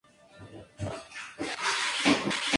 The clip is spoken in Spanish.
Juega como interior izquierdo y actualmente está sin equipo.